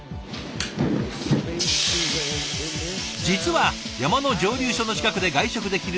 実は山の蒸留所の近くで外食できるのはこの店だけ。